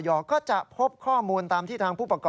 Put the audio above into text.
ยอมรับว่าการตรวจสอบเพียงเลขอยไม่สามารถทราบได้ว่าเป็นผลิตภัณฑ์ปลอม